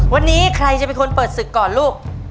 วันนี้ใครจะเป็นคนเปิดศึกก่อนลูก